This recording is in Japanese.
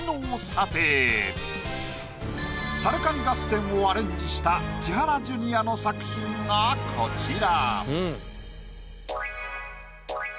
『さるかに合戦』をアレンジした千原ジュニアの作品がこちら。